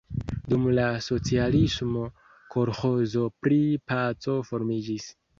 Dum la socialismo kolĥozo pri Paco formiĝis.